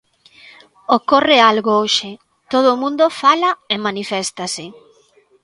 Ocorre algo hoxe, todo o mundo fala e maniféstase.